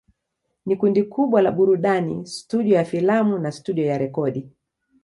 Ni kundi kubwa la burudani, studio ya filamu na studio ya rekodi.